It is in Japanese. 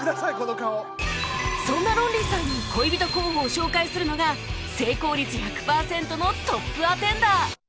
そんなロンリーさんに恋人候補を紹介するのが成功率１００パーセントのトップアテンダー